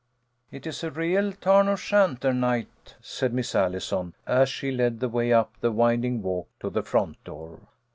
" It is a real Tarn O'Shanter night," said Miss Allison, as she led the way up the winding walk to the front door.